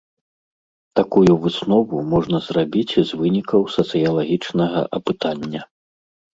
Такую выснову можна зрабіць з вынікаў сацыялагічнага апытання.